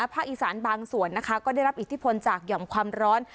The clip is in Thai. ภาคอีสานบางส่วนนะคะก็ได้รับอิทธิพลจากหย่อมความร้อน